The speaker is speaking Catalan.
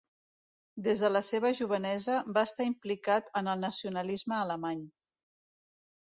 Des de la seva jovenesa va estar implicat en el nacionalisme alemany.